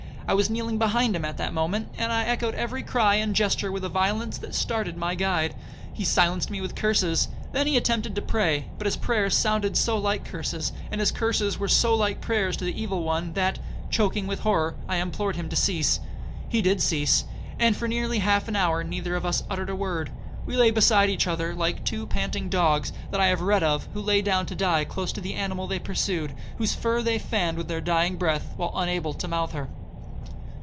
I was kneeling behind him at that moment, and I echoed every cry and gesture with a violence that started my guide. He silenced me with curses. Then he attempted to pray; but his prayers sounded so like curses, and his curses were so like prayers to the evil one, that, choaking with horror, I implored him to cease. He did cease, and for nearly half an hour neither of us uttered a word. We lay beside each other like two panting dogs that I have read of, who lay down to die close to the animal they pursued, whose fur they fanned with their dying breath, while unable to mouthe her.